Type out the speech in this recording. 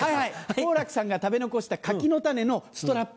好楽さんが食べ残した柿の種のストラップ。